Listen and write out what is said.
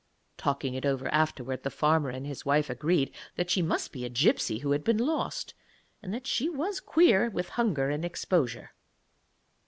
Talking it over afterwards, the farmer and his wife agreed that she must be a gipsy who had been lost, and that she was queer with hunger and exposure.